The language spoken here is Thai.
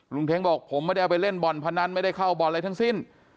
เท้งบอกผมไม่ได้เอาไปเล่นบ่อนพนันไม่ได้เข้าบ่อนอะไรทั้งสิ้น